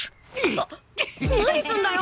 あっ何すんだよ！